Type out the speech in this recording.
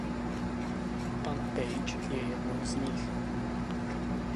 Pan Page je jednou nich.